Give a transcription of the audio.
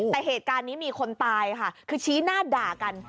แต่เหตุการณ์นี้มีคนตายค่ะคือชี้หน้าด่ากัน